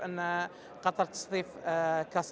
untuk qatar menangkap ksat